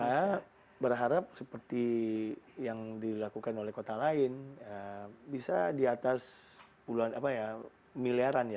saya berharap seperti yang dilakukan oleh kota lain bisa di atas puluhan miliaran ya